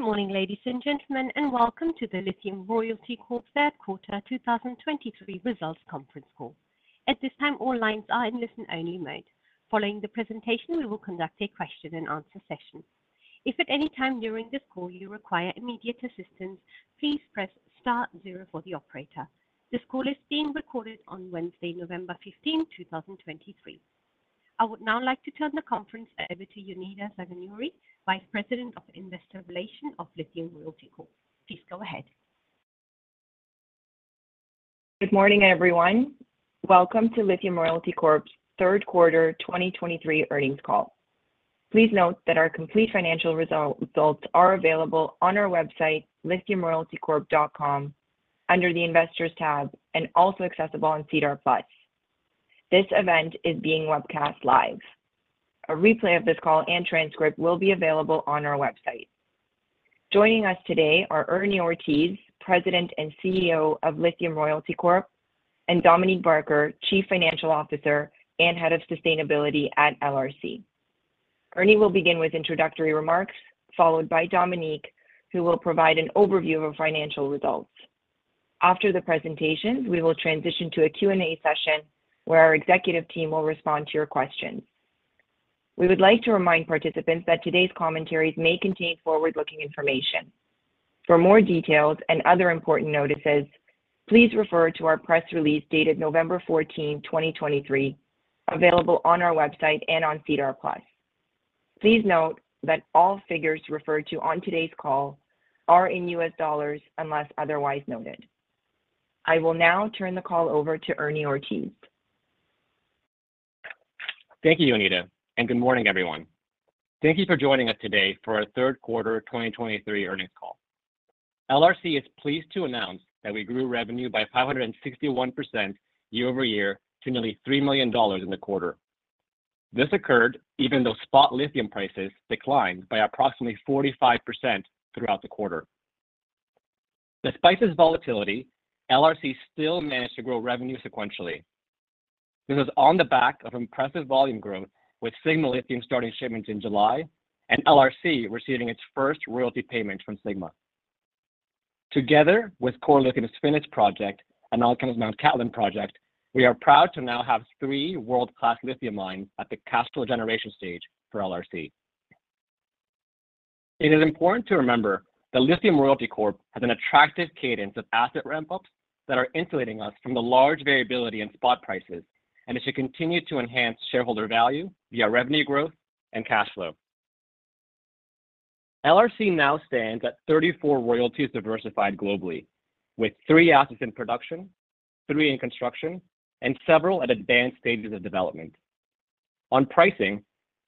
Good morning, ladies and gentlemen, and welcome to the Lithium Royalty Corp.'s Third Quarter 2023 results conference call. At this time, all lines are in listen-only mode. Following the presentation, we will conduct a question and answer session. If at any time during this call you require immediate assistance, please press star zero for the operator. This call is being recorded on Wednesday, November 15, 2023. I would now like to turn the conference over to Jonida Zaganjori, Vice President of Investor Relations of Lithium Royalty Corp. Please go ahead. Good morning, everyone. Welcome to Lithium Royalty Corp's Third Quarter 2023 Earnings Call. Please note that our complete financial results are available on our website, lithiumroyaltycorp.com, under the Investors tab, and also accessible on SEDAR+. This event is being webcast live. A replay of this call and transcript will be available on our website. Joining us today are Ernie Ortiz, President and CEO of Lithium Royalty Corp, and Dominique Barker, Chief Financial Officer and Head of Sustainability at LRC. Ernie will begin with introductory remarks, followed by Dominique, who will provide an overview of our financial results. After the presentations, we will transition to a Q&A session, where our executive team will respond to your questions. We would like to remind participants that today's commentaries may contain forward-looking information. For more details and other important notices, please refer to our press release dated November 14, 2023, available on our website and on SEDAR+. Please note that all figures referred to on today's call are in U.S. dollars, unless otherwise noted. I will now turn the call over to Ernie Ortiz. Thank you, Jonida, and good morning, everyone. Thank you for joining us today for our Third Quarter 2023 Earnings Call. LRC is pleased to announce that we grew revenue by 561% year-over-year to nearly $3 million in the quarter. This occurred even though spot lithium prices declined by approximately 45% throughout the quarter. Despite this volatility, LRC still managed to grow revenue sequentially. This is on the back of impressive volume growth, with Sigma Lithium starting shipments in July and LRC receiving its first royalty payment from Sigma. Together with Core Lithium's Finniss project and Allkem's Mount Cattlin project, we are proud to now have three world-class lithium mines at the cash flow generation stage for LRC. It is important to remember that Lithium Royalty Corp has an attractive cadence of asset ramp-ups that are insulating us from the large variability in spot prices, and it should continue to enhance shareholder value via revenue growth and cash flow. LRC now stands at 34 royalties diversified globally, with three assets in production, three in construction, and several at advanced stages of development. On pricing,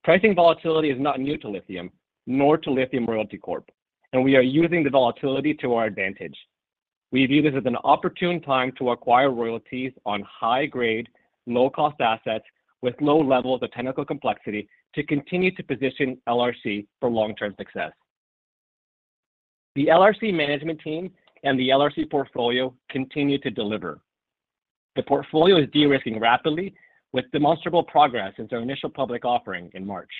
pricing volatility is not new to lithium, nor to Lithium Royalty Corp, and we are using the volatility to our advantage. We view this as an opportune time to acquire royalties on high-grade, low-cost assets with low levels of technical complexity to continue to position LRC for long-term success. The LRC management team and the LRC portfolio continue to deliver. The portfolio is de-risking rapidly, with demonstrable progress since our initial public offering in March.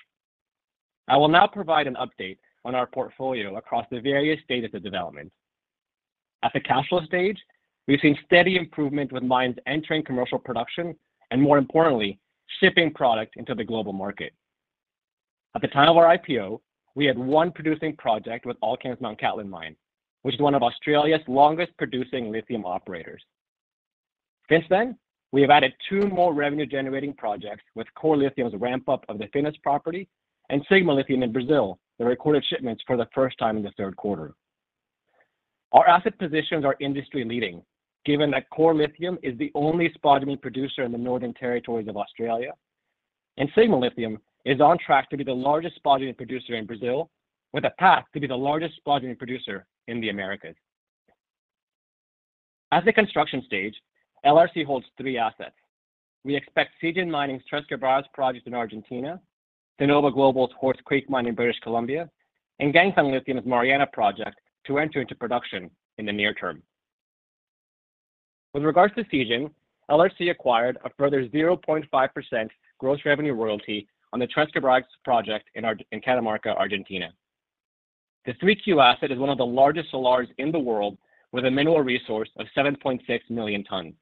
I will now provide an update on our portfolio across the various stages of development. At the cash flow stage, we've seen steady improvement with mines entering commercial production, and more importantly, shipping product into the global market. At the time of our IPO, we had one producing project with Allkem's Mount Cattlin mine, which is one of Australia's longest-producing lithium operators. Since then, we have added two more revenue-generating projects with Core Lithium's ramp-up of the Finniss property and Sigma Lithium in Brazil, that recorded shipments for the first time in the third quarter. Our asset positions are industry-leading, given that Core Lithium is the only spodumene producer in the Northern Territory of Australia, and Sigma Lithium is on track to be the largest spodumene producer in Brazil, with a path to be the largest spodumene producer in the Americas. At the construction stage, LRC holds three assets. We expect Zijin Mining's Tres Quebradas project in Argentina, Sinova Global's Horse Creek mine in British Columbia, and Ganfeng Lithium's Mariana project to enter into production in the near term. With regards to Zijin, LRC acquired a further 0.5% gross revenue royalty on the Tres Quebradas project in Catamarca, Argentina. The 3Q asset is one of the largest salars in the world, with a mineral resource of 7.6 million tons.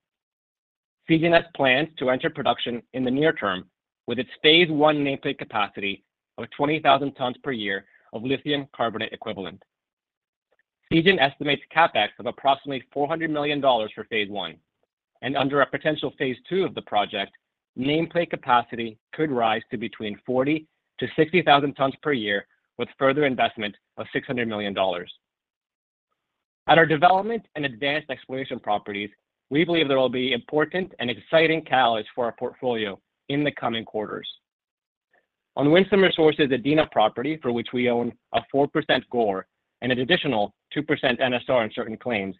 Zijin has plans to enter production in the near term with its phase one nameplate capacity of 20,000 tons per year of lithium carbonate equivalent. Zijin estimates CapEx of approximately $400 million for phase I, and under a potential phase two of the project, nameplate capacity could rise to between 40,000-60,000 tons per year, with further investment of $600 million. At our development and advanced exploration properties, we believe there will be important and exciting catalysts for our portfolio in the coming quarters. On Winsome Resources' Adina property, for which we own a 4% GOR and an additional 2% NSR in certain claims,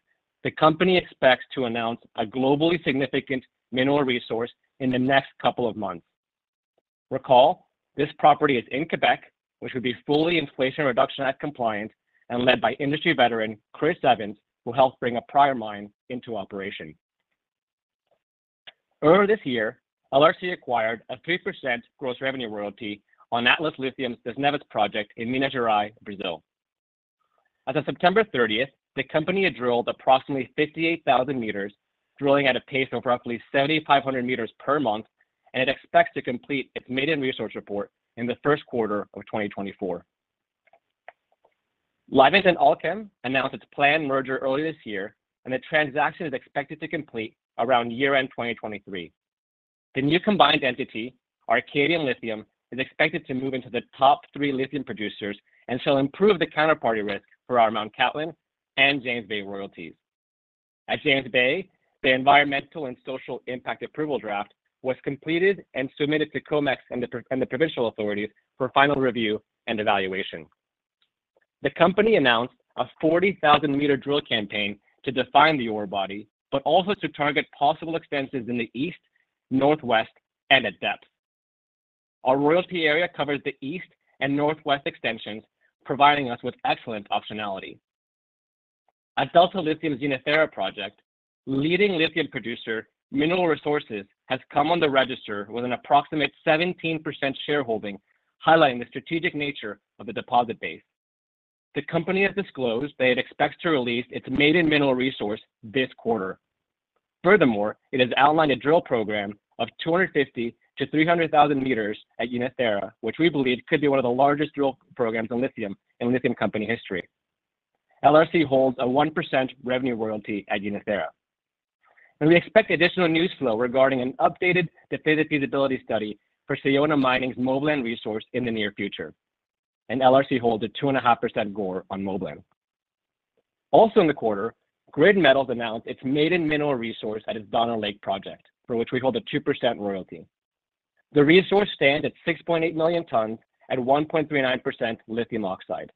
the company expects to announce a globally significant mineral resource in the next couple of months. Recall, this property is in Quebec, which would be fully Inflation Reduction Act compliant and led by industry veteran Chris Evans, who helped bring a prior mine into operation. Earlier this year, LRC acquired a 3% gross revenue royalty on Atlas Lithium's Neves project in Minas Gerais, Brazil. As of September 30th, the company had drilled approximately 58,000 meters, drilling at a pace of roughly 7,500 meters per month, and it expects to complete its maiden resource report in the first quarter of 2024. Livent and Allkem announced its planned merger early this year, and the transaction is expected to complete around year-end 2023. The new combined entity, Arcadium Lithium, is expected to move into the top three lithium producers and shall improve the counterparty risk for our Mount Cattlin and James Bay royalties. At James Bay, the environmental and social impact approval draft was completed and submitted to COMEX and the provincial authorities for final review and evaluation. The company announced a 40,000-meter drill campaign to define the ore body, but also to target possible extensions in the east, northwest, and at depth. Our royalty area covers the east and northwest extensions, providing us with excellent optionality. At Delta Lithium's Yinnetharra project, leading lithium producer, Mineral Resources, has come on the register with an approximate 17% shareholding, highlighting the strategic nature of the deposit base. The company has disclosed that it expects to release its maiden mineral resource this quarter. Furthermore, it has outlined a drill program of 250,000-300,000 meters at Yinnetharra, which we believe could be one of the largest drill programs on lithium in lithium company history. LRC holds a 1% revenue royalty at Yinnetharra. We expect additional news flow regarding an updated definitive feasibility study for Sayona Mining's Moblan resource in the near future, and LRC holds a 2.5% GOR on Moblan. Also in the quarter, Grid Metals announced its maiden mineral resource at its Donner Lake project, for which we hold a 2% royalty. The resource stand at 6.8 million tons at 1.39% lithium oxide.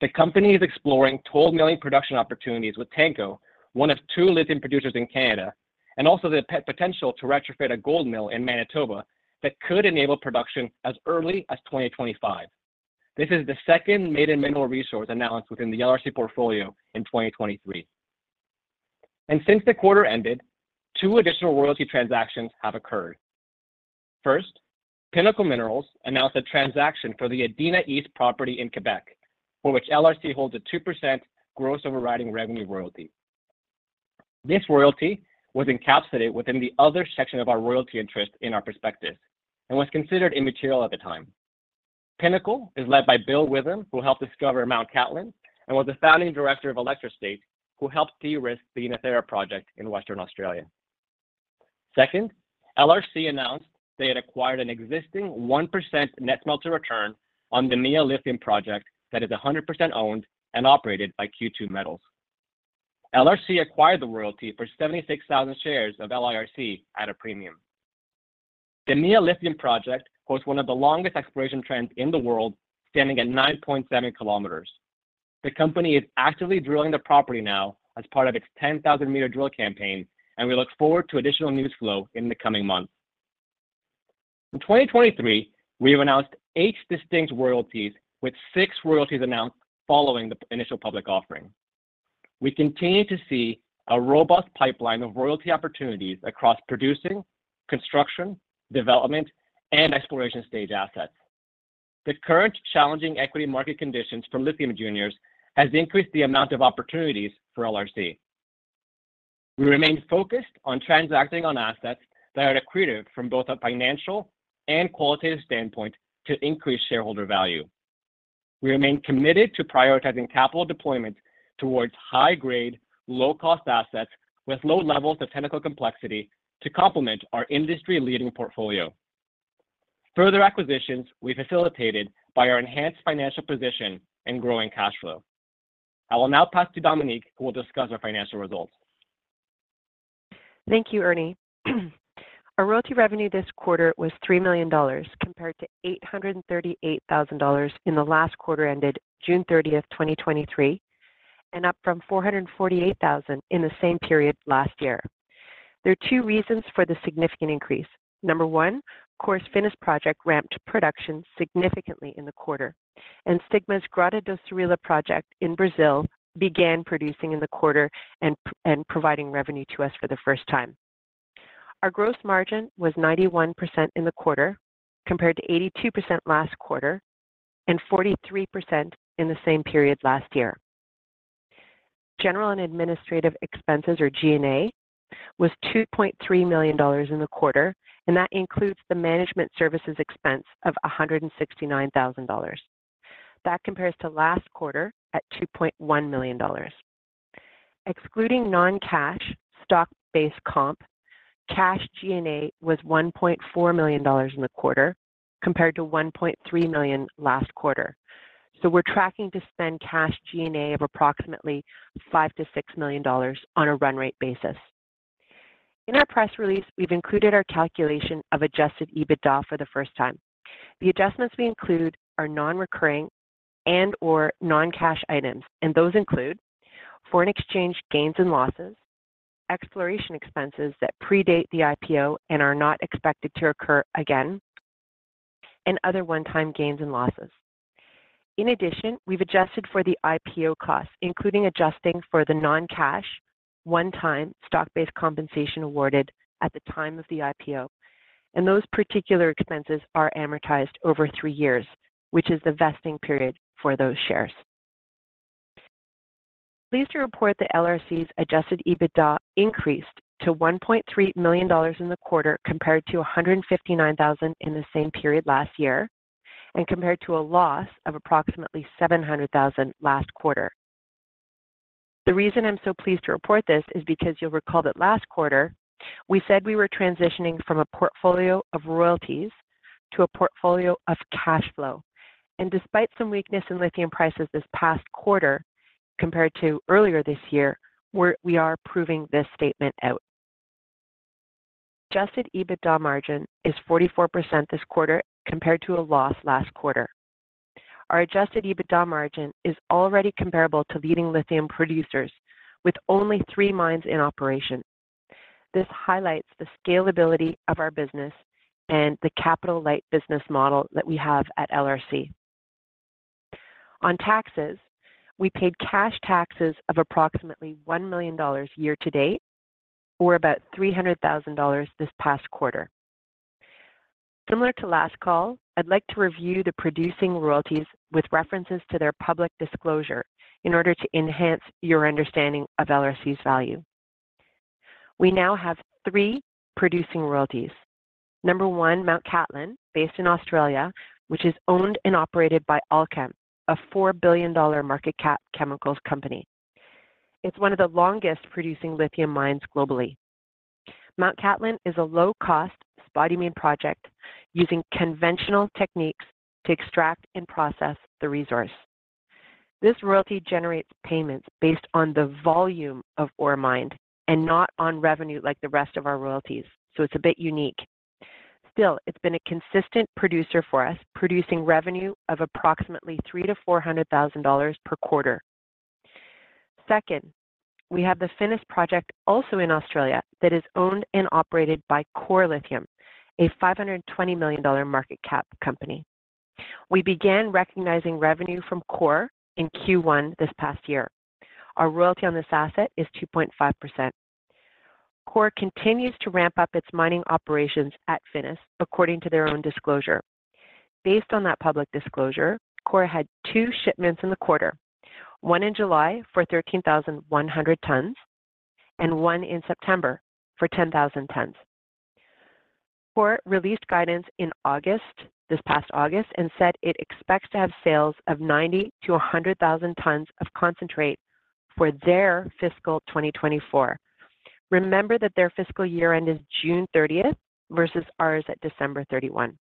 The company is exploring toll milling production opportunities with Tanco, one of two lithium producers in Canada, and also the potential to retrofit a gold mill in Manitoba that could enable production as early as 2025. This is the second maiden mineral resource announced within the LRC portfolio in 2023. Since the quarter ended, two additional royalty transactions have occurred. First, Pinnacle Minerals announced a transaction for the Adina East property in Quebec, for which LRC holds a 2% gross overriding revenue royalty. This royalty was encapsulated within the other section of our royalty interest in our perspective and was considered immaterial at the time. Pinnacle is led by Bill Witham, who helped discover Mount Cattlin and was the founding director of Electrostate, who helped de-risk the Yinnetharra project in Western Australia. Second, LRC announced they had acquired an existing 1% net smelter return on the Mia Lithium Project that is 100% owned and operated by Q2 Metals. LRC acquired the royalty for 76,000 shares of LRC at a premium. The Mia Lithium Project hosts one of the longest exploration trends in the world, standing at 9.7 km. The company is actively drilling the property now as part of its 10,000 meter drill campaign, and we look forward to additional news flow in the coming months. In 2023, we have announced eight distinct royalties, with six royalties announced following the initial public offering. We continue to see a robust pipeline of royalty opportunities across producing, construction, development, and exploration stage assets. The current challenging equity market conditions for lithium juniors has increased the amount of opportunities for LRC. We remain focused on transacting on assets that are accretive from both a financial and qualitative standpoint to increase shareholder value. We remain committed to prioritizing capital deployment towards high grade, low cost assets with low levels of technical complexity to complement our industry-leading portfolio. Further acquisitions we facilitated by our enhanced financial position and growing cash flow. I will now pass to Dominique, who will discuss our financial results. Thank you, Ernie. Our royalty revenue this quarter was $3 million, compared to $838,000 in the last quarter, ended June 30 of 2023, and up from $448,000 in the same period last year. There are two reasons for the significant increase: number one, Core Finniss Project ramped production significantly in the quarter, and Sigma Grota do Cirilo project in Brazil began producing in the quarter and providing revenue to us for the first time. Our gross margin was 91% in the quarter, compared to 82% last quarter and 43% in the same period last year. General and Administrative Expenses, or G&A, was $2.3 million in the quarter, and that includes the management services expense of $169,000. That compares to last quarter at $2.1 million. Excluding non-cash, stock-based comp, cash G&A was $1.4 million in the quarter, compared to $1.3 million last quarter. So we're tracking to spend cash G&A of approximately $5 million to $6 million on a run rate basis. In our press release, we've included our calculation of adjusted EBITDA for the first time. The adjustments we include are non-recurring and/or non-cash items, and those include foreign exchange gains and losses, exploration expenses that predate the IPO and are not expected to occur again, and other one-time gains and losses. In addition, we've adjusted for the IPO costs, including adjusting for the non-cash, one-time stock-based compensation awarded at the time of the IPO, and those particular expenses are amortized over three years, which is the vesting period for those shares. Pleased to report that LRC's adjusted EBITDA increased to $1.3 million in the quarter, compared to $159,000 in the same period last year, and compared to a loss of approximately $700,000 last quarter. The reason I'm so pleased to report this is because you'll recall that last quarter, we said we were transitioning from a portfolio of royalties to a portfolio of cash flow, and despite some weakness in lithium prices this past quarter, compared to earlier this year, we are proving this statement out. Adjusted EBITDA margin is 44% this quarter, compared to a loss last quarter. Our adjusted EBITDA margin is already comparable to leading lithium producers with only three mines in operation. This highlights the scalability of our business and the capital-light business model that we have at LRC. On taxes, we paid cash taxes of approximately $1 million year to date, or about $300,000 this past quarter. Similar to last call, I'd like to review the producing royalties with references to their public disclosure in order to enhance your understanding of LRC's value. We now have three producing royalties. Number one, Mount Cattlin, based in Australia, which is owned and operated by Allkem, a $4 billion market cap chemicals company. It's one of the longest producing lithium mines globally. Mount Cattlin is a low-cost spodumene project using conventional techniques to extract and process the resource. This royalty generates payments based on the volume of ore mined and not on revenue like the rest of our royalties, so it's a bit unique. Still, it's been a consistent producer for us, producing revenue of approximately $300,000 to $400,000 per quarter. Second, we have the Finniss project, also in Australia, that is owned and operated by Core Lithium, a $520 million market cap company. We began recognizing revenue from Core in Q1 this past year. Our royalty on this asset is 2.5%. Core continues to ramp up its mining operations at Finniss, according to their own disclosure. Based on that public disclosure, Core had two shipments in the quarter, one in July for 13,100 tons, and one in September for 10,000 tons. Core released guidance in August, this past August, and said it expects to have sales of 90,000 to 100,000 tons of concentrate for their Fiscal 2024. Remember that their fiscal-year ended June 30th versus ours at December 31.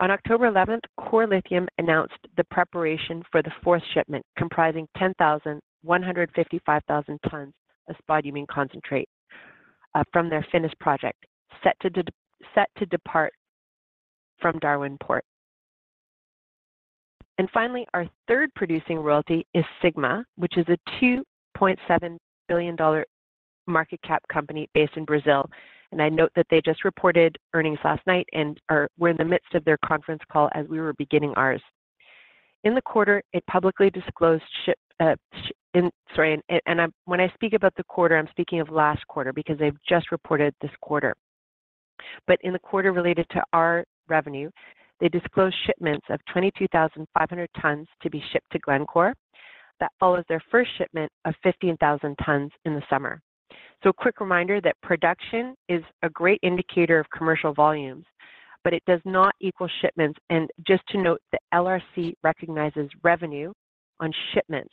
On October eleventh, Core Lithium announced the preparation for the fourth shipment, comprising 10,155 tons of spodumene concentrate from their Finniss project, set to depart from Darwin Port. Finally, our third producing royalty is Sigma, which is a $2.7 billion market cap company based in Brazil. I note that they just reported earnings last night and were in the midst of their conference call as we were beginning ours. In the quarter, it publicly disclosed shipments. When I speak about the quarter, I'm speaking of last quarter, because they've just reported this quarter. But in the quarter related to our revenue, they disclosed shipments of 22,500 tons to be shipped to Glencore. That follows their first shipment of 15,000 tons in the summer. So a quick reminder that production is a great indicator of commercial volumes, but it does not equal shipments. And just to note that LRC recognizes revenue on shipments,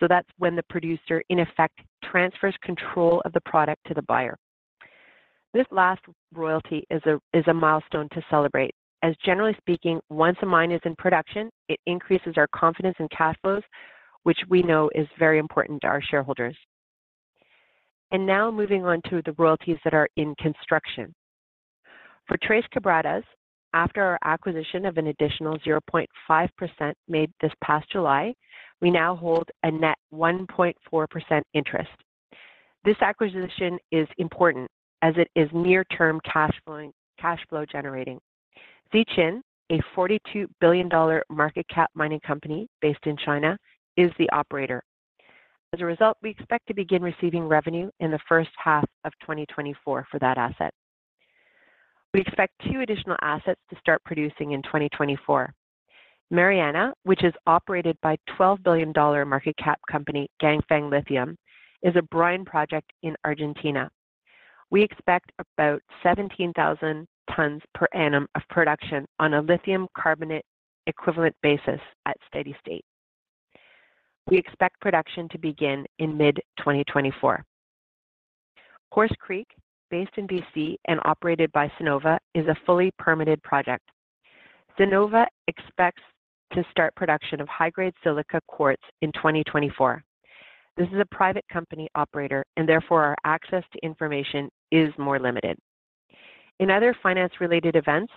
so that's when the producer, in effect, transfers control of the product to the buyer. This last royalty is a milestone to celebrate, as generally speaking, once a mine is in production, it increases our confidence in cash flows, which we know is very important to our shareholders. And now moving on to the royalties that are in construction. For Tres Quebradas, after our acquisition of an additional 0.5% made this past July, we now hold a net 1.4% interest. This acquisition is important as it is near-term cash flow generating. Zijin, a $42 billion market cap mining company based in China, is the operator. As a result, we expect to begin receiving revenue in the first half of 2024 for that asset. We expect two additional assets to start producing in 2024. Mariana, which is operated by $12 billion market cap company, Ganfeng Lithium, is a brine project in Argentina. We expect about 17,000 tons per annum of production on a lithium carbonate equivalent basis at steady state. We expect production to begin in mid-2024. Horse Creek, based in B.C. and operated by Sinova, is a fully permitted project. Sinova expects to start production of high-grade silica quartz in 2024. This is a private company operator, and therefore, our access to information is more limited. In other finance-related events,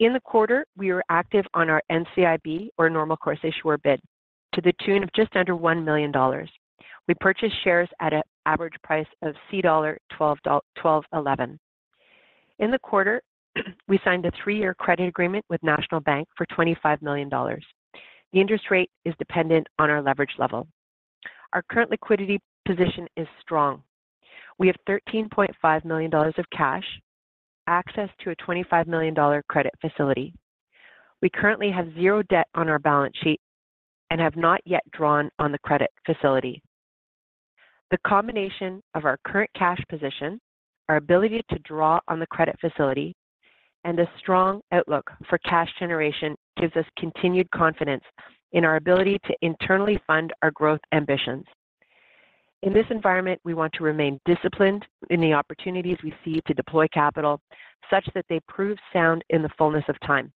in the quarter, we were active on our NCIB, or normal course issuer bid, to the tune of just under $1 million. We purchased shares at an average price of CAD 12.11. In the quarter, we signed a three-year credit agreement with National Bank for $25 million. The interest rate is dependent on our leverage level. Our current liquidity position is strong. We have $13.5 million of cash, access to a $25 million credit facility. We currently have zero debt on our balance sheet and have not yet drawn on the credit facility. The combination of our current cash position, our ability to draw on the credit facility, and a strong outlook for cash generation, gives us continued confidence in our ability to internally fund our growth ambitions. In this environment, we want to remain disciplined in the opportunities we see to deploy capital, such that they prove sound in the fullness of time.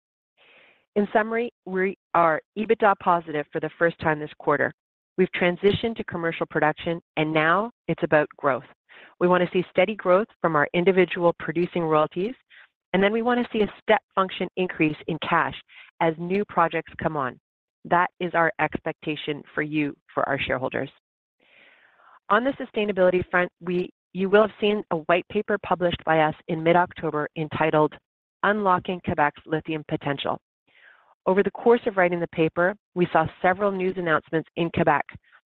In summary, we are EBITDA positive for the first time this quarter. We've transitioned to commercial production, and now it's about growth. We want to see steady growth from our individual producing royalties, and then we wanna see a step function increase in cash as new projects come on. That is our expectation for you, for our shareholders. On the sustainability front, we, you will have seen a white paper published by us in mid-October entitled, "Unlocking Quebec's Lithium Potential." Over the course of writing the paper, we saw several news announcements in Quebec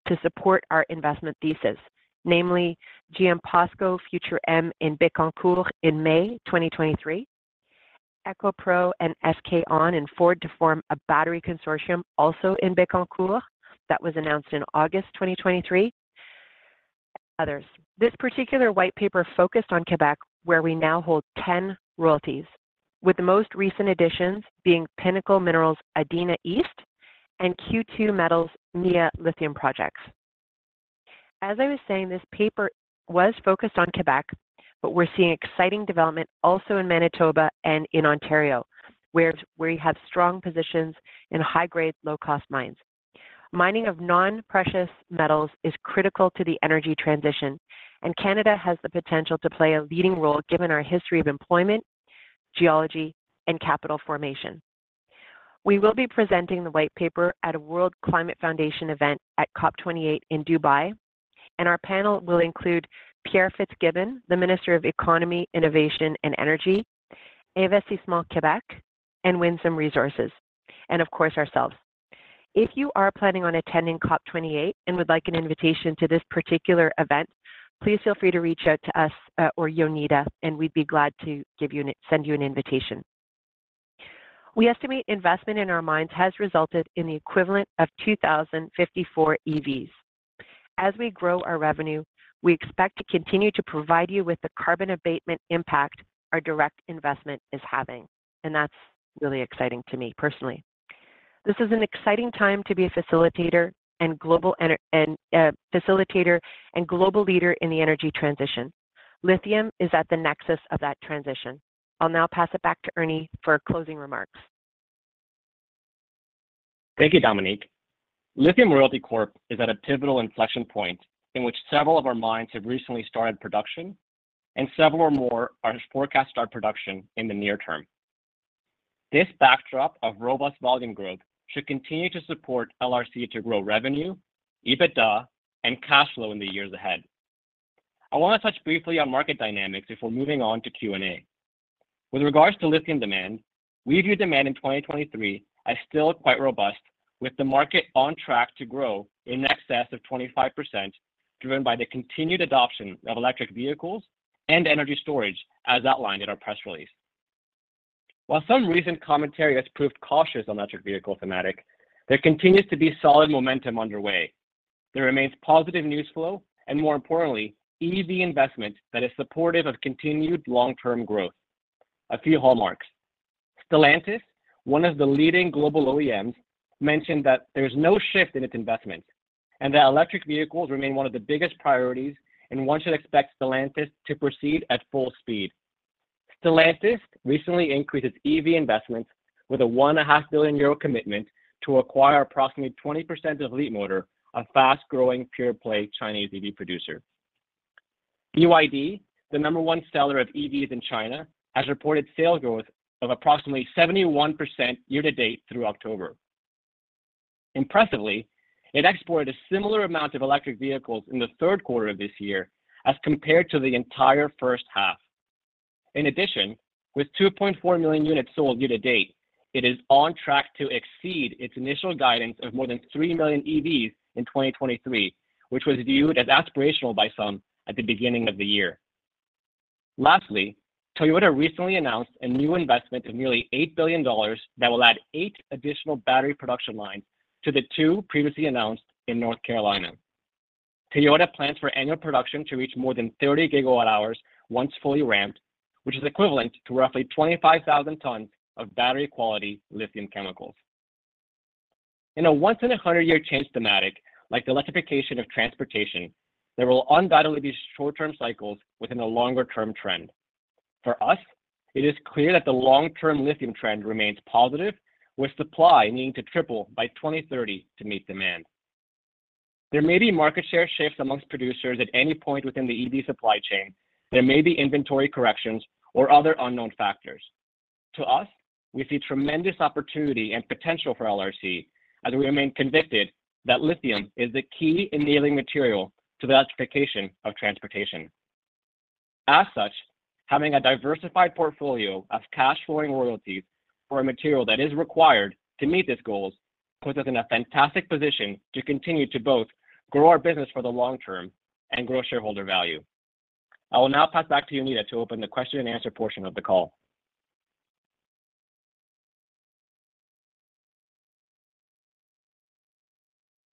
to support our investment thesis, namely GM POSCO Future M in Bécancour in May 2023, EcoPro BM and SK On, and Ford to form a battery consortium, also in Bécancour. That was announced in August 2023, others. This particular white paper focused on Quebec, where we now hold 10 royalties, with the most recent additions being Pinnacle Minerals, Adina East, and Q2 Metals, Mia Lithium projects. As I was saying, this paper was focused on Quebec, but we're seeing exciting development also in Manitoba and in Ontario, where we have strong positions in high-grade, low-cost mines. Mining of non-precious metals is critical to the energy transition, and Canada has the potential to play a leading role, given our history of employment, geology, and capital formation. We will be presenting the white paper at a World Climate Foundation event at COP28 in Dubai, and our panel will include Pierre Fitzgibbon, the Minister of Economy, Innovation, and Energy, Investissement Québec, and Winsome Resources, and of course, ourselves. If you are planning on attending COP28 and would like an invitation to this particular event, please feel free to reach out to us or Jonida, and we'd be glad to send you an invitation. We estimate investment in our mines has resulted in the equivalent of 2,054 EVs. As we grow our revenue, we expect to continue to provide you with the carbon abatement impact our direct investment is having, and that's really exciting to me personally. This is an exciting time to be a facilitator and global leader in the energy transition. Lithium is at the nexus of that transition. I'll now pass it back to Ernie for closing remarks. Thank you, Dominique. Lithium Royalty Corp is at a pivotal inflection point in which several of our mines have recently started production, and several or more are to forecast our production in the near term. This backdrop of robust volume growth should continue to support LRC to grow revenue, EBITDA, and cash flow in the years ahead. I want to touch briefly on market dynamics before moving on to Q&A. With regards to lithium demand, we view demand in 2023 as still quite robust, with the market on track to grow in excess of 25%, driven by the continued adoption of electric vehicles and energy storage, as outlined in our press release. While some recent commentary has proved cautious on electric vehicle thematic, there continues to be solid momentum underway. There remains positive news flow, and more importantly, EV investment that is supportive of continued long-term growth. A few hallmarks. Stellantis, one of the leading global OEMs, mentioned that there's no shift in its investment and that electric vehicles remain one of the biggest priorities, and one should expect Stellantis to proceed at full speed. Stellantis recently increased its EV investments with a 1.5 billion euro commitment to acquire approximately 20% of Leapmotor, a fast-growing pure-play Chinese EV producer. BYD, the number one seller of EVs in China, has reported sale growth of approximately 71% year to date through October. Impressively, it exported a similar amount of electric vehicles in the third quarter of this year as compared to the entire first half. In addition, with 2.4 million units sold year-to-date, it is on track to exceed its initial guidance of more than 3 million EVs in 2023, which was viewed as aspirational by some at the beginning of the year. Lastly, Toyota recently announced a new investment of nearly $8 billion that will add eight additional battery production lines to the two previously announced in North Carolina. Toyota plans for annual production to reach more than 30 GW hours once fully ramped, which is equivalent to roughly 25,000 tons of battery-quality lithium chemicals. In a once-in-a-100-year change thematic, like the electrification of transportation, there will undoubtedly be short-term cycles within a longer-term trend. For us, it is clear that the long-term lithium trend remains positive, with supply needing to triple by 2030 to meet demand. There may be market share shifts amongst producers at any point within the EV supply chain. There may be inventory corrections or other unknown factors. To us, we see tremendous opportunity and potential for LRC as we remain convicted that lithium is the key enabling material to the electrification of transportation. As such, having a diversified portfolio of cash flowing royalties for a material that is required to meet these goals, puts us in a fantastic position to continue to both grow our business for the long term and grow shareholder value. I will now pass back to Jonida to open the question and answer portion of the call.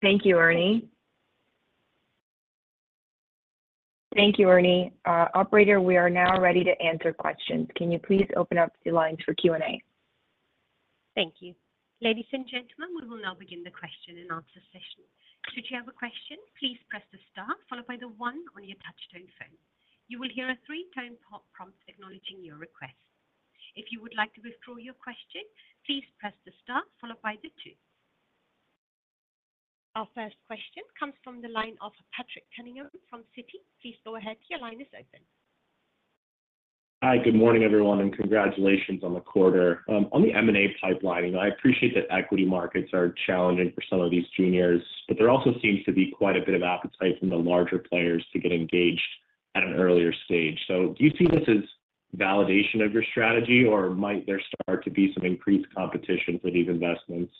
Thank you, Ernie. Thank you, Ernie. Operator, we are now ready to answer questions. Can you please open up the lines for Q&A? Thank you. Ladies and gentlemen, we will now begin the question and answer session. Should you have a question, please press the star followed by the one on your touchtone phone. You will hear a three-tone pop prompt acknowledging your request. If you would like to withdraw your question, please press the star followed by the two. Our first question comes from the line of Patrick Cunningham from Citi. Please go ahead, your line is open. Hi, good morning, everyone, and congratulations on the quarter. On the M&A pipelining, I appreciate that equity markets are challenging for some of these juniors, but there also seems to be quite a bit of appetite from the larger players to get engaged at an earlier stage. Do you see this as validation of your strategy, or might there start to be some increased competition for these investments?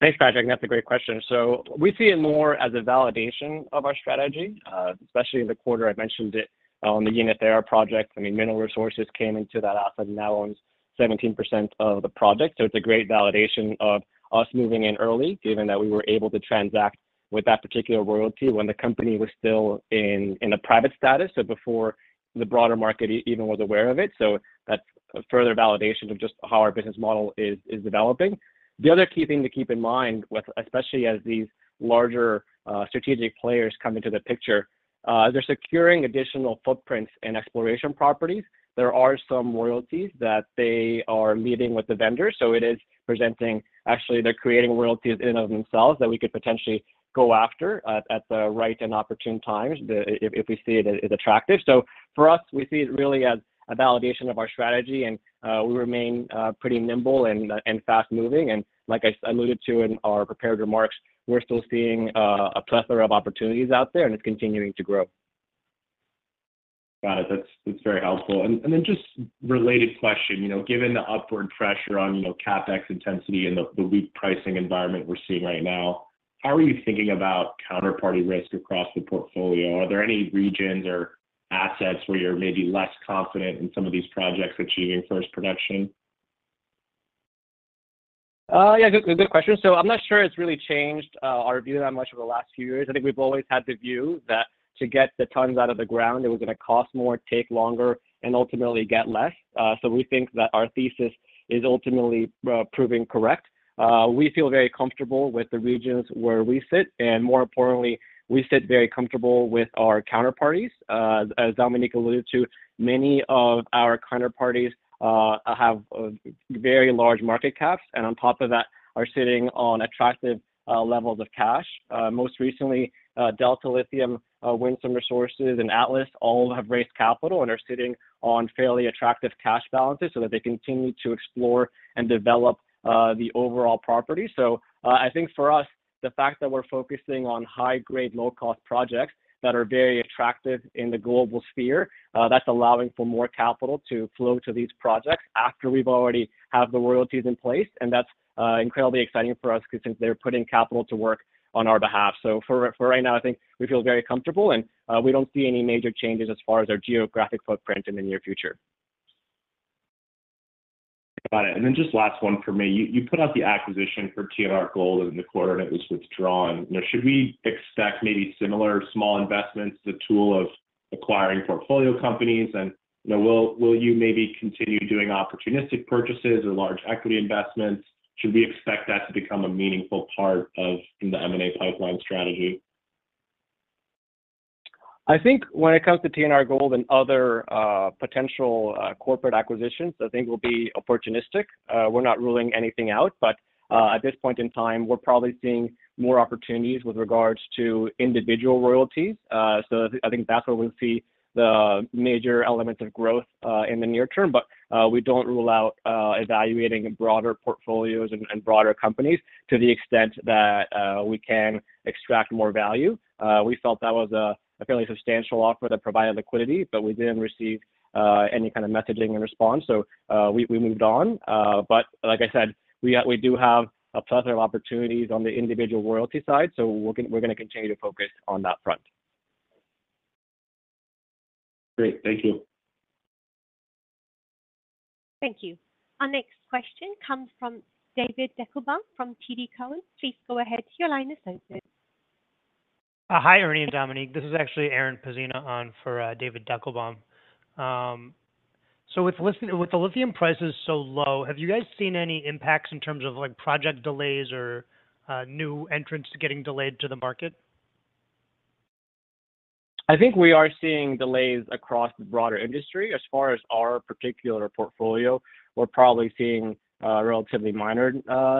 Thanks, Patrick. That's a great question. So we see it more as a validation of our strategy, especially in the quarter. I mentioned it on the Yinnetharra project. I mean, Mineral Resources came into that asset and now owns 17% of the project. So it's a great validation of us moving in early, given that we were able to transact with that particular royalty when the company was still in a private status, so before the broader market even was aware of it. So that's a further validation of just how our business model is developing. The other key thing to keep in mind with, especially as these larger strategic players come into the picture, they're securing additional footprints and exploration properties. There are some royalties that they are leaving with the vendors, so it is presenting, actually, they're creating royalties in and of themselves that we could potentially go after at the right and opportune times, if we see it as attractive. So for us, we see it really as a validation of our strategy, and we remain pretty nimble and fast-moving. And like I alluded to in our prepared remarks, we're still seeing a plethora of opportunities out there, and it's continuing to grow. Got it. That's very helpful. And then, just a related question, you know, given the upward pressure on, you know, CapEx intensity and the weak pricing environment we're seeing right now, how are you thinking about counterparty risk across the portfolio? Are there any regions or assets where you're maybe less confident in some of these projects achieving first production? Yeah, good question. So I'm not sure it's really changed our view that much over the last few years. I think we've always had the view that to get the tons out of the ground, it was going to cost more, take longer, and ultimately get less. So we think that our thesis is ultimately proving correct. We feel very comfortable with the regions where we sit, and more importantly, we sit very comfortable with our counterparties. As Dominique alluded to, many of our counterparties have very large market caps, and on top of that, are sitting on attractive levels of cash. Most recently, Delta Lithium, Winsome Resources, and Atlas Lithium all have raised capital and are sitting on fairly attractive cash balances so that they continue to explore and develop the overall property. So, I think for us, the fact that we're focusing on high-grade, low-cost projects that are very attractive in the global sphere, that's allowing for more capital to flow to these projects after we've already have the royalties in place. And that's, incredibly exciting for us because since they're putting capital to work on our behalf. So for right now, I think we feel very comfortable, and, we don't see any major changes as far as our geographic footprint in the near future. Got it, and then just last one for me. You put out the acquisition for TNR Gold in the quarter, and it was withdrawn. You know, should we expect maybe similar small investments, the tool of acquiring portfolio companies? And, you know, will you maybe continue doing opportunistic purchases or large equity investments? Should we expect that to become a meaningful part of the M&A pipeline strategy? I think when it comes to TNR Gold and other potential corporate acquisitions, I think we'll be opportunistic. We're not ruling anything out, but at this point in time, we're probably seeing more opportunities with regards to individual royalties. So I think that's where we'll see the major elements of growth in the near term. But we don't rule out evaluating broader portfolios and broader companies to the extent that we can extract more value. We felt that was a fairly substantial offer that provided liquidity, but we didn't receive any kind of messaging in response, so we moved on. But like I said, we do have a plethora of opportunities on the individual royalty side, so we're going to continue to focus on that front. Great. Thank you. Thank you. Our next question comes from David Deckelbaum from TD Cowen. Please go ahead. Your line is open. Hi, Ernie and Dominique. This is actually Aaron Pzena on for David Deckelbaum. So with the lithium prices so low, have you guys seen any impacts in terms of, like, project delays or new entrants getting delayed to the market? I think we are seeing delays across the broader industry. As far as our particular portfolio, we're probably seeing relatively minor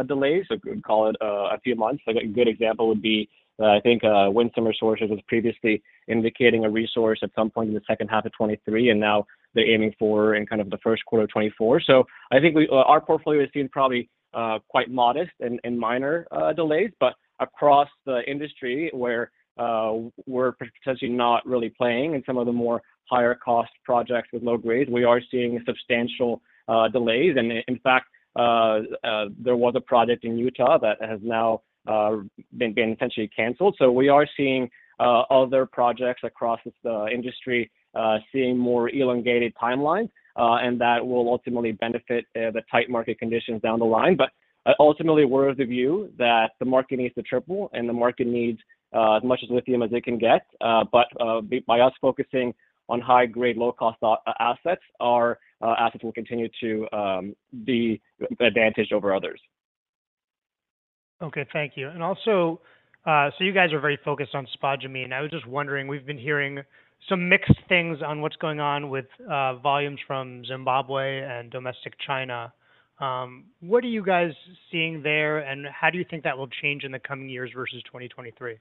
delays. We could call it a few months. A good example would be, I think, Winsome resources was previously indicating a resource at some point in the second half of 2023, and now they're aiming for in kind of the first quarter of 2024. So I think our portfolio is seeing probably quite modest and minor delays. But across the industry, where we're potentially not really playing in some of the more higher-cost projects with low grade, we are seeing substantial delays. And in fact, there was a project in Utah that has now been essentially canceled. So we are seeing other projects across the industry seeing more elongated timelines, and that will ultimately benefit the tight market conditions down the line. But ultimately, we're of the view that the market needs to triple, and the market needs as much as lithium as it can get. But by us focusing on high-grade, low-cost assets, our assets will continue to be advantaged over others. Okay, thank you. And also, so you guys are very focused on spodumene. I was just wondering, we've been hearing some mixed things on what's going on with volumes from Zimbabwe and domestic China. What are you guys seeing there, and how do you think that will change in the coming years versus 2023?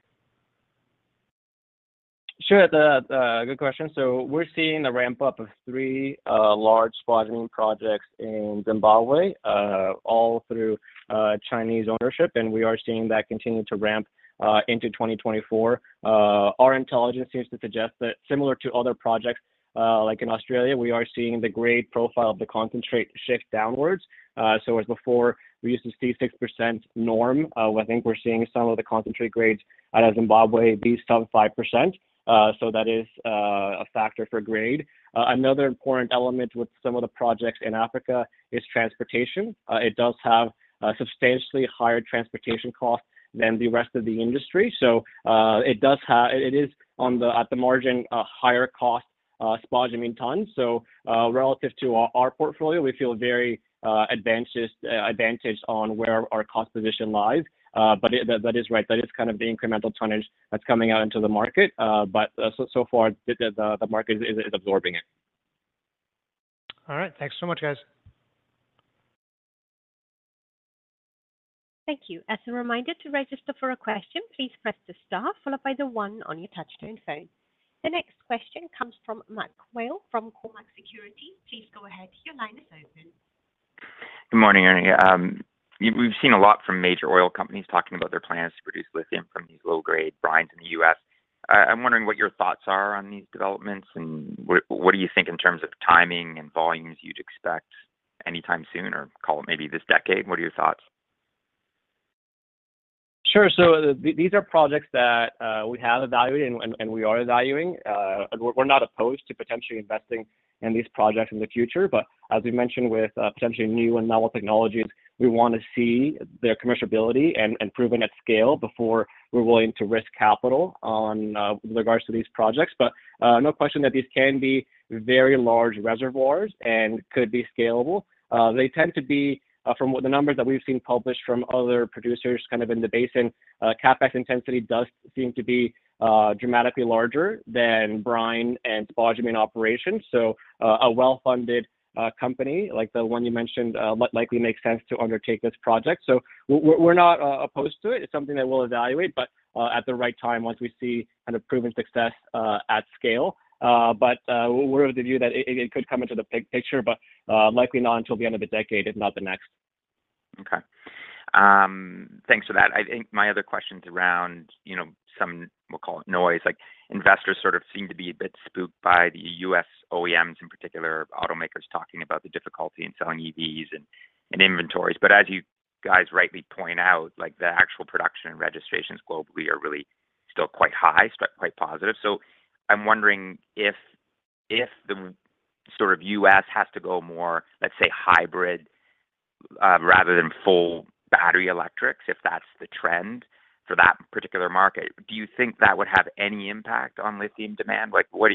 Sure, good question. So we're seeing the ramp-up of three large spodumene projects in Zimbabwe, all through Chinese ownership, and we are seeing that continue to ramp into 2024. Our intelligence seems to suggest that similar to other projects, like in Australia, we are seeing the grade profile of the concentrate shift downwards. So as before, we used to see 6% norm. I think we're seeing some of the concentrate grades out of Zimbabwe be sub-5%. So that is a factor for grade. Another important element with some of the projects in Africa is transportation. It does have substantially higher transportation costs than the rest of the industry. So, it does have. It is at the margin a higher cost spodumene ton. So, relative to our portfolio, we feel very advantaged on where our cost position lies. But that is right. That is kind of the incremental tonnage that's coming out into the market, but so far, the market is absorbing it. All right. Thanks so much, guys. Thank you. As a reminder to register for a question, please press the star followed by the one on your touchtone phone. The next question comes from MacMurray Whale from Cormark Securities. Please go ahead. Your line is open. Good morning, Ernie. We've seen a lot from major oil companies talking about their plans to produce lithium from these low-grade brines in the U.S. I'm wondering what your thoughts are on these developments, and what do you think in terms of timing and volumes you'd expect anytime soon or call it maybe this decade? What are your thoughts? Sure. So these are projects that we have evaluated and we are evaluating. We're not opposed to potentially investing in these projects in the future, but as we mentioned, with potentially new and novel technologies, we want to see their commercial ability and proven at scale before we're willing to risk capital on regards to these projects. But no question that these can be very large reservoirs and could be scalable. They tend to be, from the numbers that we've seen published from other producers, kind of in the basin, CapEx intensity does seem to be dramatically larger than brine and spodumene operations. So a well-funded company, like the one you mentioned, likely makes sense to undertake this project. So we're not opposed to it. It's something that we'll evaluate, but at the right time, once we see an approved success at scale. But we're of the view that it could come into the picture, but likely not until the end of the decade, if not the next. Okay. Thanks for that. I think my other question's around, you know, some, we'll call it noise. Like, investors sort of seem to be a bit spooked by the U.S. OEMs, in particular, automakers talking about the difficulty in selling EVs and, and inventories. But as you guys rightly point out, like, the actual production and registrations globally are really still quite high, still quite positive. So I'm wondering if the sort of U.S. has to go more, let's say, hybrid, rather than full battery electrics, if that's the trend for that particular market, do you think that would have any impact on lithium demand? Like, what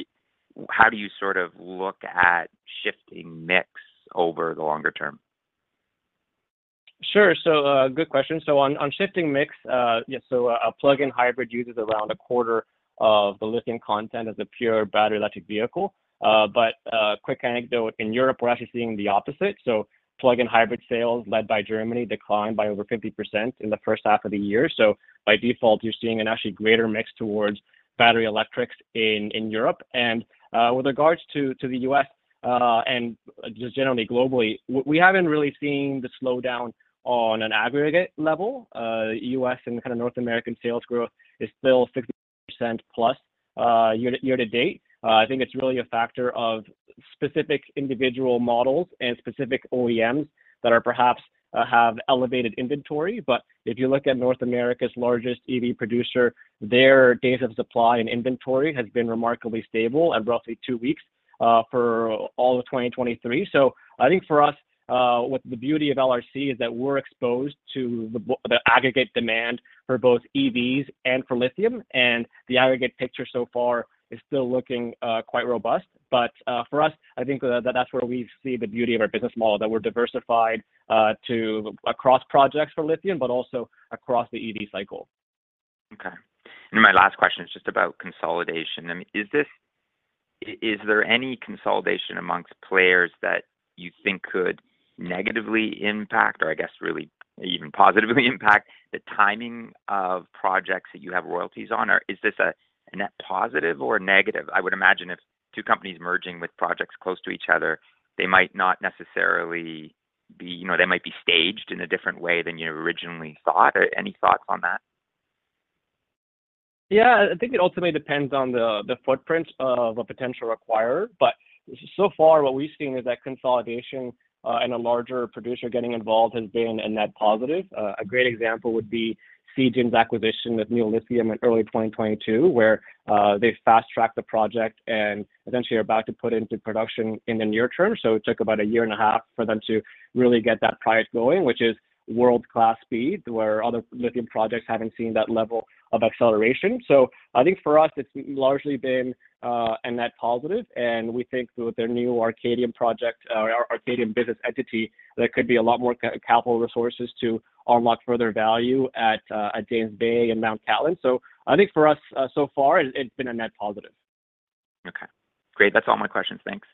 how do you sort of look at shifting mix over the longer term? Sure. So, good question. So on shifting mix, yes, so a plug-in hybrid uses around a quarter of the lithium content as a pure battery electric vehicle. But a quick anecdote, in Europe, we're actually seeing the opposite. So plug-in hybrid sales, led by Germany, declined by over 50% in the first half of the year. So by default, you're seeing an actually greater mix towards battery electrics in Europe. And, with regards to the U.S., and just generally globally, we haven't really seen the slowdown on an aggregate level. U.S. and kind of North American sales growth is still 60% plus, year to date. I think it's really a factor of specific individual models and specific OEMs that are perhaps have elevated inventory. But if you look at North America's largest EV producer, their days of supply and inventory has been remarkably stable and roughly two weeks for all of 2023. So I think for us, what the beauty of LRC is that we're exposed to the aggregate demand for both EVs and for lithium, and the aggregate picture so far is still looking quite robust. But for us, I think that's where we see the beauty of our business model, that we're diversified to across projects for lithium, but also across the EV cycle. Okay. And my last question is just about consolidation. I mean, is there any consolidation among players that you think could negatively impact, or I guess really even positively impact, the timing of projects that you have royalties on or is this a net positive or negative? I would imagine if two companies merging with projects close to each other, they might not necessarily be, you know, they might be staged in a different way than you originally thought. Or any thoughts on that? Yeah, I think it ultimately depends on the, the footprint of a potential acquirer. But so far, what we've seen is that consolidation, and a larger producer getting involved has been a net positive. A great example would be Zijin's acquisition with Neo Lithium in early 2022, where, they fast-tracked the project and essentially are about to put into production in the near term. So it took about a year and a half for them to really get that project going, which is world-class speed, where other lithium projects haven't seen that level of acceleration. So I think for us, it's largely been, a net positive, and we think with their new Arcadium project, or Arcadium business entity, there could be a lot more capital resources to unlock further value at James Bay and Mount Cattlin. I think for us, so far it's been a net positive. Okay, great. That's all my questions. Thanks.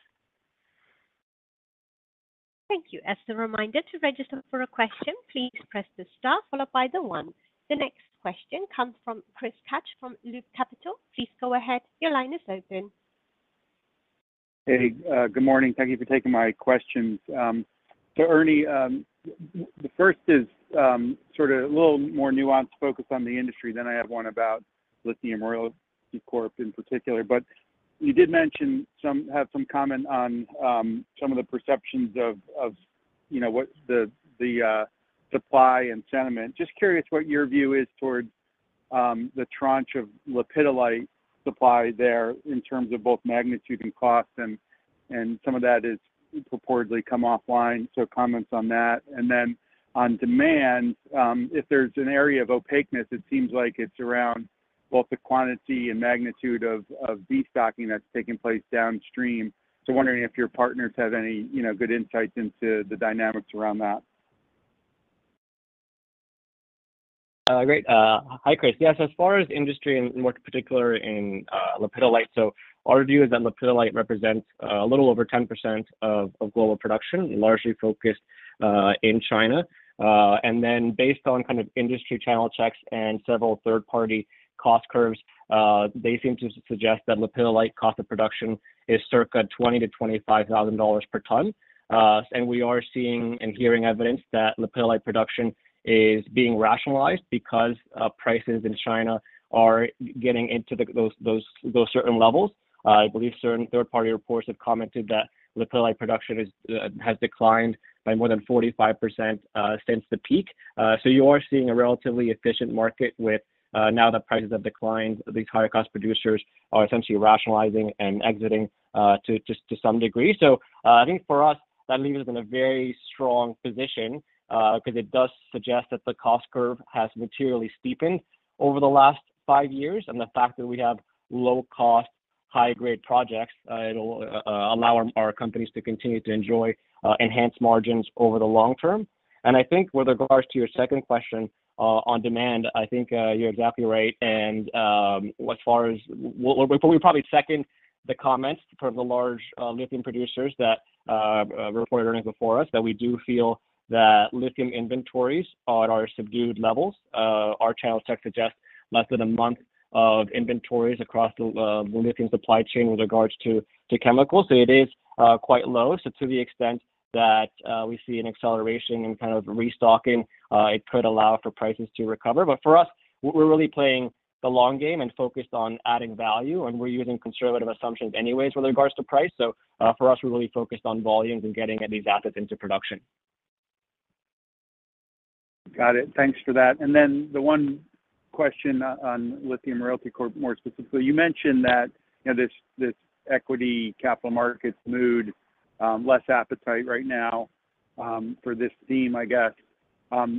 Thank you. As a reminder to register for a question, please press the star followed by the one. The next question comes from Chris Kapsch from Loop Capital. Please go ahead. Your line is open. Hey, good morning. Thank you for taking my questions. So Ernie, the first is, sort of a little more nuanced focus on the industry, then I have one about Lithium Royalty Corp in particular. But you did mention some, had some comment on, some of the perceptions of, you know, what the, the, supply and sentiment. Just curious what your view is towards, the tranche of lepidolite supply there in terms of both magnitude and cost, and, and some of that is purportedly come offline. So comments on that. And then on demand, if there's an area of opaqueness, it seems like it's around both the quantity and magnitude of destocking that's taking place downstream. So wondering if your partners have any, you know, good insights into the dynamics around that. Great. Hi, Chris. Yes, as far as industry and more particular in lepidolite, so our view is that lepidolite represents a little over 10% of global production, largely focused in China. And then based on kind of industry channel checks and several third-party cost curves, they seem to suggest that lepidolite cost of production is circa $20,000 to $25,000 per ton. And we are seeing and hearing evidence that lepidolite production is being rationalized because prices in China are getting into the those certain levels. I believe certain third-party reports have commented that lepidolite production has declined by more than 45% since the peak. So you are seeing a relatively efficient market with, now that prices have declined, these higher-cost producers are essentially rationalizing and exiting, to some degree. So, I think for us, that leaves us in a very strong position, because it does suggest that the cost curve has materially steepened over the last five years, and the fact that we have low-cost, high-grade projects, it'll allow our companies to continue to enjoy enhanced margins over the long term. And I think with regards to your second question, on demand, I think, you're exactly right. And, as far as, we probably second the comments from the large lithium producers that reported earnings before us, that we do feel that lithium inventories are at our subdued levels. Our channel check suggests less than a month of inventories across the lithium supply chain with regards to chemicals. So it is quite low. So to the extent that we see an acceleration in restocking, it could allow for prices to recover. But for us, we're really playing the long game and focused on adding value, and we're using conservative assumptions anyways with regards to price. So for us, we're really focused on volumes and getting these assets into production. Got it. Thanks for that. And then the one question on Lithium Royalty Corp, more specifically. You mentioned that, you know, this, this equity capital markets mood, less appetite right now, for this theme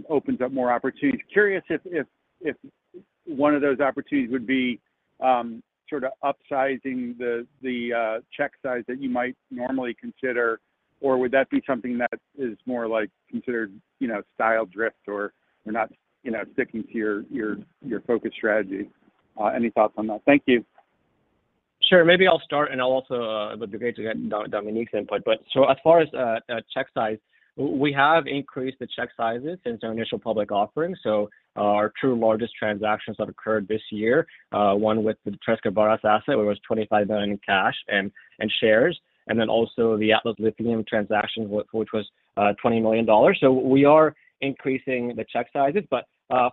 opens up more opportunities. Curious if one of those opportunities would be sort of upsizing the check size that you might normally consider, or would that be something that is more like considered, you know, style drift or not, you know, sticking to your focus strategy? Any thoughts on that? Thank you. Sure. Maybe I'll start, and I'll also would be great to get Dominique's input. But so as far as check size, we have increased the check sizes since our initial public offering. So our two largest transactions have occurred this year, one with the Tres Quebradas asset, where it was $25 million in cash and shares, and then also the Atlas Lithium transaction, which was $20 million. So we are increasing the check sizes, but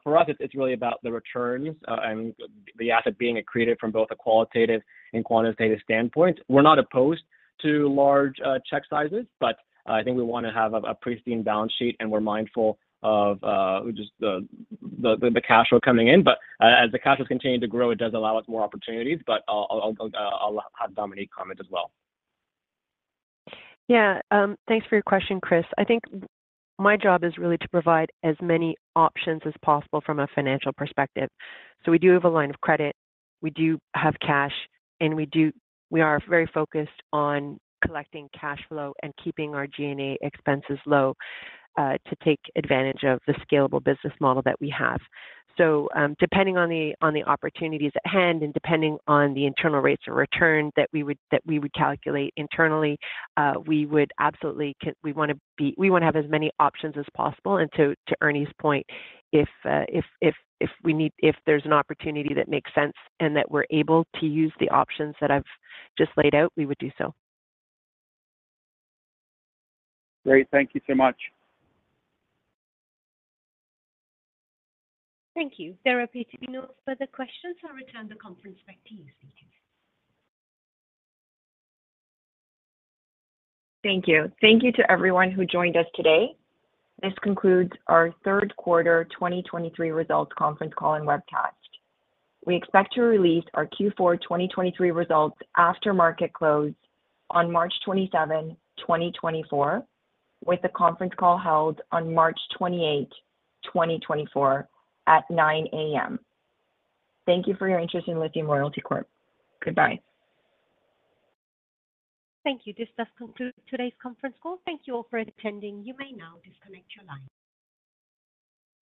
for us, it's really about the returns and the asset being accretive from both a qualitative and quantitative standpoint. We're not opposed to large check sizes, but I think we want to have a pristine balance sheet, and we're mindful of just the cash flow coming in. But, as the cash has continued to grow, it does allow us more opportunities, but I'll have Dominique comment as well. Yeah. Thanks for your question, Chris. I think my job is really to provide as many options as possible from a financial perspective. So we do have a line of credit, we do have cash, and we do, we are very focused on collecting cash flow and keeping our G&A expenses low, to take advantage of the scalable business model that we have. So, depending on the opportunities at hand and depending on the internal rates of return that we would calculate internally, we would absolutely want to have as many options as possible. And to Ernie's point, if there's an opportunity that makes sense and that we're able to use the options that I've just laid out, we would do so. Great. Thank you so much. Thank you. There appear to be no further questions. I'll return the conference back to you, thank you. Thank you. Thank you to everyone who joined us today. This concludes our Third Quarter 2023 results conference call and webcast. We expect to release our Q4 2023 results after market close on March 27, 2024, with the conference call held on March 28, 2024, at 9:00 AM. Thank you for your interest in Lithium Royalty Corp. Goodbye. Thank you. This does conclude today's conference call. Thank you all for attending. You may now disconnect your line.